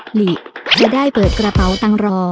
หลีจะได้เปิดกระเป๋าตังค์รอ